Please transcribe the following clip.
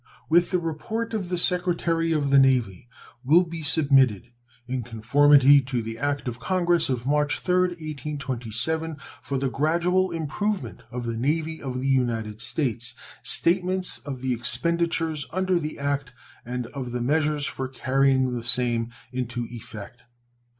With the report of the Secretary of the Navy will be submitted, in conformity to the act of Congress of March 3d, 1827, for the gradual improvement of the Navy of the United States, statements of the expenditures under that act and of the measures for carrying the same into effect.